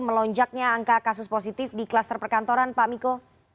melonjaknya angka kasus positif di kluster perkantoran pak miko